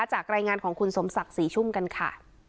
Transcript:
จากรายงานของคุณสมศักดิ์ศรีชุ่มกันค่ะ